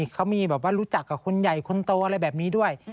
เขามีแบบว่ารู้จักกับคนใหญ่คนโตอะไรแบบนี้ด้วย